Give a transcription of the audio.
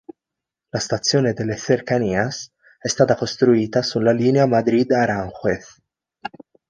La stazione delle Cercanías è stata costruita sulla linea Madrid-Aranjuez.